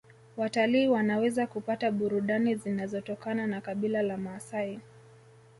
Watalii wanaweza kupata burudani zinazotokana na kabila la maasai